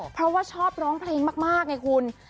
เพราะว่าชอบร้องเพลงมากไงคุณ